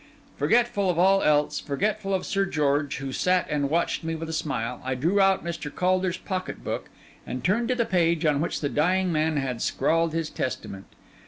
Forgetful of all else, forgetful of Sir George, who sat and watched me with a smile, I drew out Mr. Caulder's pocket book and turned to the page on which the dying man had scrawled his testament.